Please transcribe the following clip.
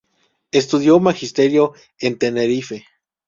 Estudió Magisterio en Tenerife.